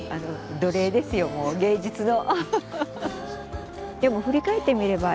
奴隷ですよもう芸術の。